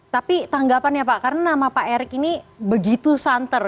tapi tanggapannya pak karena nama pak erick ini begitu santer